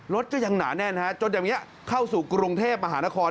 รถก็ยังหนาแน่นจนอย่างนี้เข้าสู่กรุงเทพมหานคร